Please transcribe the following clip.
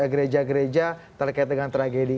gereja gereja terkait dengan tragedi